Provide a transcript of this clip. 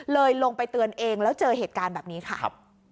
ลงไปเตือนเองแล้วเจอเหตุการณ์แบบนี้ค่ะ